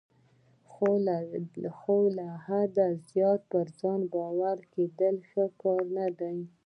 خو له حده زیات پر ځان باوري کیدل ښه کار نه دی.